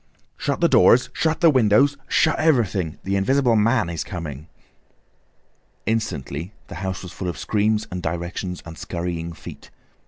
"Shut the doors, shut the windows, shut everything!—the Invisible Man is coming!" Instantly the house was full of screams and directions, and scurrying feet.